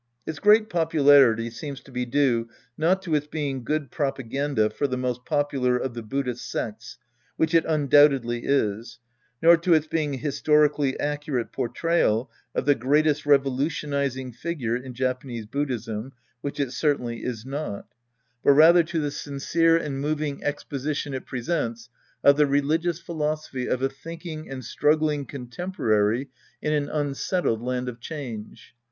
' Its great popularity seems to be due, not to its being good propaganda for the most popular of the Buddhist sects, which it undoubtedly is, nor to its being a historically accurate portrayal of the greatest revolutionizing figure in Japanese Buddhism, which it certainly is not, but rather to the sincere and INTRODUCTION Ul moving exposition it presents of tlie religious pWloso phy of a thinldng and struggling contemporary in an unsettled land of change.